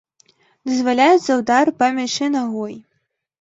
Дазваляецца ўдар па мячы нагой.